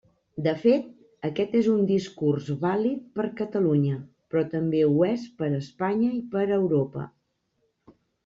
De fet, aquest és un discurs vàlid per Catalunya, però també ho és per Espanya i per Europa.